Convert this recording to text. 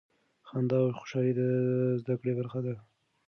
خندا او خوشحالي د زده کړې برخه ده.